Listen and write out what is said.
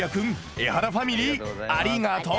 エハラファミリーありがとう！